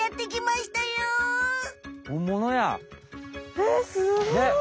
えすごい！